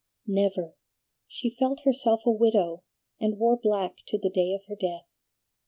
"Never. She felt herself a widow, and wore black to the day of her death.